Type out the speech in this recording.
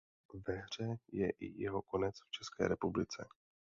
Ve hře je i jeho konec v České republice.